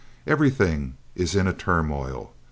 Everything is in a turmoil.